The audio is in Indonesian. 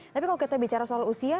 tapi kalau kita bicara soal usia